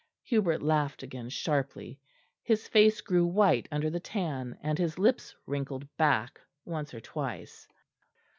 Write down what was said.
Hubert laughed again sharply; his face grew white under the tan, and his lips wrinkled back once or twice.